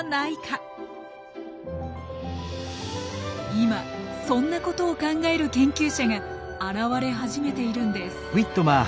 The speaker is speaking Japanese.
今そんなことを考える研究者が現れ始めているんです。